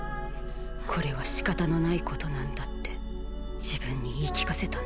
これはしかたのないことなんだって自分に言い聞かせたんだ。